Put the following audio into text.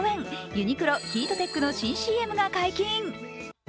ユニクロヒートテックの新ＣＭが解禁。